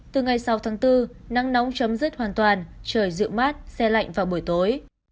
từ ngày sáu tháng bốn nắng nóng chấm dứt hoàn toàn trời dịu mát xe lạnh vào buổi tối